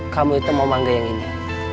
kamu itu mau mangga yang ini